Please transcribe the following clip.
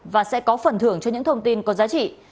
và sẽ có phần thưởng cho những thông tin có giá trị